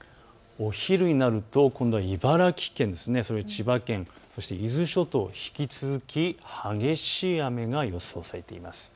お昼になると今度は茨城県、千葉県、伊豆諸島、引き続き激しい雨が予想されます。